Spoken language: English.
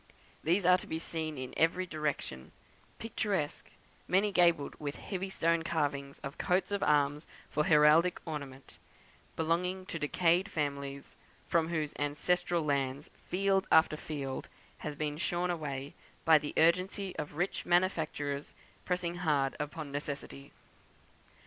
These are to be seen in every direction, picturesque, many gabled, with heavy stone carvings of coats of arms for heraldic ornament; belonging to decayed families, from whose ancestral lands field after field has been shorn away, by the urgency of rich manufacturers pressing hard upon necessity.